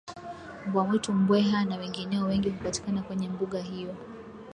mbwa mwitu mbweha na wengineo Wengi hupatikana Kwenye mbuga hiyo